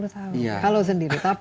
sampai dua puluh tahun